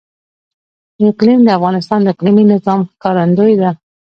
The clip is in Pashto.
اقلیم د افغانستان د اقلیمي نظام ښکارندوی ده.